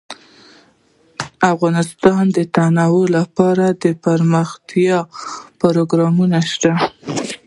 افغانستان کې د تنوع لپاره دپرمختیا پروګرامونه شته.